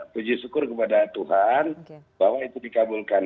puji syukur kepada tuhan bahwa itu dikabulkan